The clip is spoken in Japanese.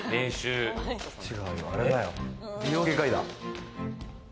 美容外科医だ。